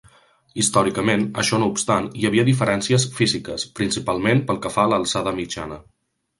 Històricament, això no obstant, hi havia diferències físiques, principalment pel que fa a l'alçada mitjana.